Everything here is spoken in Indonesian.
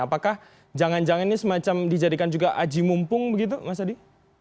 apakah jangan jangan ini semacam dijadikan juga aji mumpung begitu mas adi